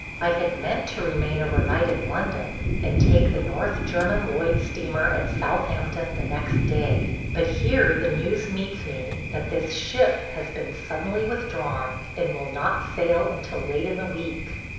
I had meant to remain overnight in London and take the North German Lloyd steamer at Southampton the next day, but here the news meets me that this ship has been suddenly withdrawn and will not sail till late in the week.